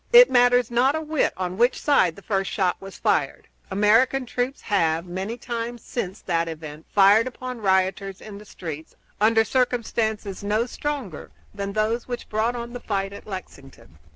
It matters not a whit on which side the first shot was fired. American troops have, many times since that event, fired upon rioters in the streets, under circumstances no stronger than those which brought on the fight at Lexington.